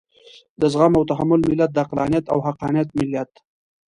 د زغم او تحمل ملت، د عقلانيت او حقانيت ملت.